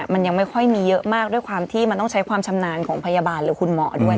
มันยังไม่ค่อยมีเยอะมากด้วยความที่มันต้องใช้ความชำนาญของพยาบาลหรือคุณหมอด้วย